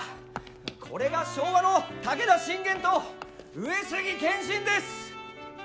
これが昭和の武田信玄と上杉謙信です！